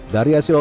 dari asisten bapak